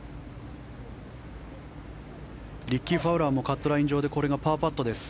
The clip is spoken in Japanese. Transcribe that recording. リッキー・ファウラーもカットライン上でこれがパーパットです。